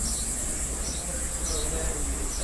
প্রথম গোত্রটি ছিল রূবীল-এর গোত্র।